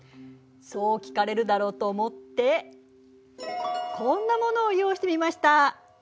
そう聞かれるだろうと思ってこんなものを用意してみました。